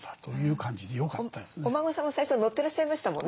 お孫さんも最初乗ってらっしゃいましたもんね。